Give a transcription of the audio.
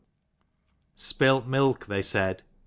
PILT milk, they said.